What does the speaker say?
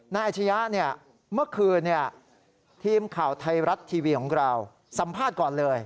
อาชญะเมื่อคืนทีมข่าวไทยรัฐทีวีของเราสัมภาษณ์ก่อนเลย